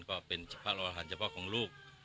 ก็เป็นพระอารหันธ์เฉพาะของลูก